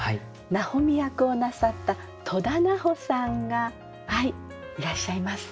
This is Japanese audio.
奈穂美役をなさった戸田菜穂さんがいらっしゃいます。